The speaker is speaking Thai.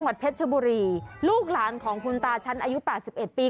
หวัดเพชรบุรีลูกหลานของคุณตาฉันอายุ๘๑ปี